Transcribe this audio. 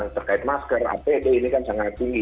terkait masker apd ini kan sangat tinggi